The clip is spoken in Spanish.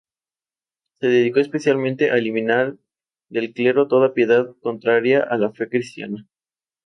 Se dedicó especialmente a eliminar del clero toda piedad contraria a la fe cristiana.